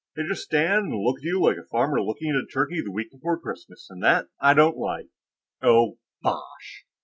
They just stand and look at you like a farmer looking at a turkey the week before Christmas, and that I don't like!" "Oh, bosh!"